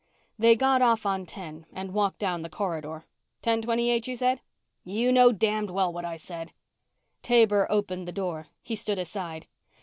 They got off on ten and walked down the corridor. "Ten twenty eight, you said?" "You know damned well what I said." Taber opened the door. He stood aside.